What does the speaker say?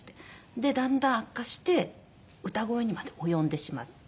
でだんだん悪化して歌声にまで及んでしまって。